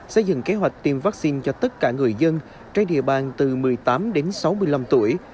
xây dựng kế hoạch tiêm vaccine cho tất cả người dân trên địa bàn từ một mươi tám đến sáu mươi năm tuổi